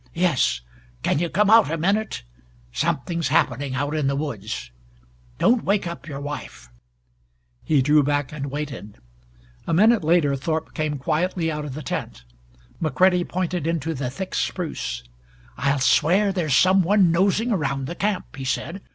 "Yes. Can you come out a minute? Something's happening out in the woods. Don't wake up your wife!" He drew back and waited. A minute later Thorpe came quietly out of the tent. McCready pointed into the thick spruce. "I'll swear there's some one nosing around the camp," he said.